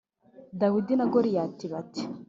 dawidi na goliyati bati